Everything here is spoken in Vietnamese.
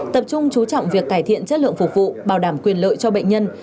tập trung chú trọng việc cải thiện chất lượng phục vụ bảo đảm quyền lợi cho bệnh nhân